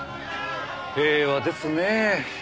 平和ですねえ。